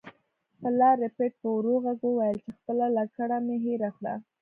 پلار ربیټ په ورو غږ وویل چې خپله لکړه مې هیره کړه